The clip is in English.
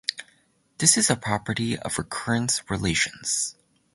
This is a property of recurrence relations.